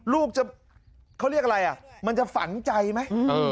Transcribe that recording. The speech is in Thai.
ลูกจะเขาเรียกอะไรอ่ะมันจะฝันใจไหม